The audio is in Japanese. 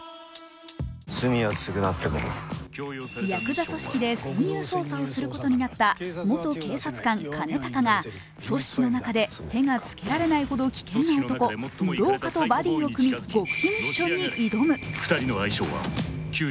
やくざ組織で潜入捜査をすることになった元警察官、兼高が組織の中で手がつけられないほど危険な男、室岡とバディを組み、極秘ミッションに挑む。